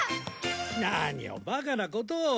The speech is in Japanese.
何をバカなことを。